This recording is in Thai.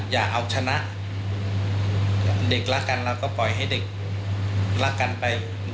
อย่าเอาชนะเด็กรักกันเราก็ปล่อยให้เด็กรักกันไป